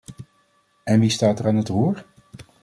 En wie staat er aan het roer?